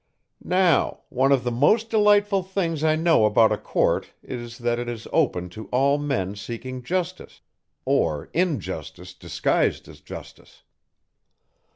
"Now, one of the most delightful things I know about a court is that it is open to all men seeking justice or injustice disguised as justice.